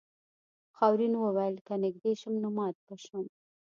خاورین وویل که نږدې شم نو مات به شم.